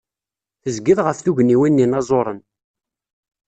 Tezgiḍ ɣef tugniwin n yinaẓuren.